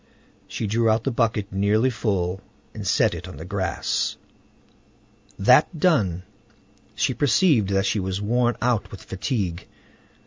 She drew out the bucket nearly full, and set it on the grass. That done, she perceived that she was worn out with fatigue.